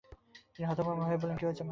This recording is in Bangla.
তিনি হতভম্ব হয়ে বললেন, কী হয়েছে মা?